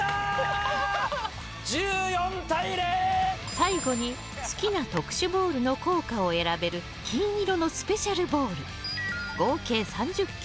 最後に、好きな特殊ボールの効果を選べる金色のスペシャルボール。合計３０球。